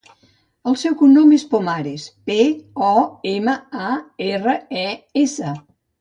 El seu cognom és Pomares: pe, o, ema, a, erra, e, essa.